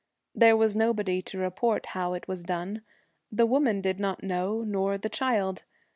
There was nobody to report how it was done. The woman did not know nor the child.